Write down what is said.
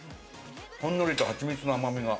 ほんのりとはちみつの甘みが。